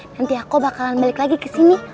nanti aku bakalan balik lagi kesini